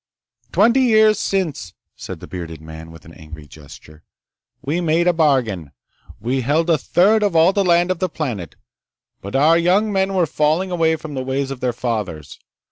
"Twenty years since," said the bearded man with an angry gesture, "we made a bargain. We held a third of all the land of the planet, but our young men were falling away from the ways of their fathers.